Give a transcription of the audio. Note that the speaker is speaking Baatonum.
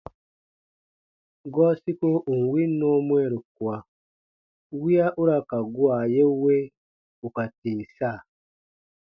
Gɔɔ siko ù n win nɔɔ mwɛɛru kua wiya u ra ka gua ye we ù ka tìm sa.